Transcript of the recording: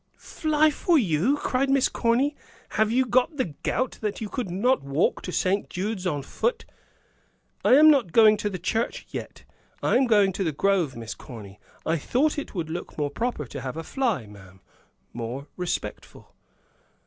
"Fly for you?" cried Miss Corny. "Have you got the gout, that you could not walk to St. Jude's on foot?" "I am not going to the church yet; I am going on to the Grove, Miss Corny. I thought it would look more proper to have a fly ma'am; more respectful."